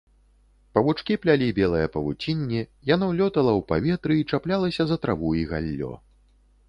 Павучкі плялі белае павуцінне, яно лётала ў паветры і чаплялася за траву і галлё.